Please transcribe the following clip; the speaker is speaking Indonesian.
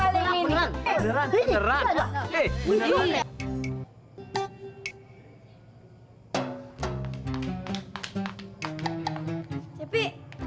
lu menunjuk siapa